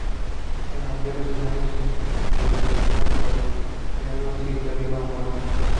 En aquel escenario de destrucción, Florencia duda si está viva o muerta.